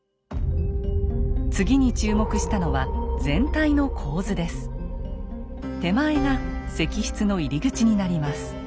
次に注目したのは手前が石室の入り口になります。